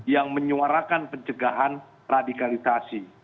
yang menyuarakan pencegahan radikalitasi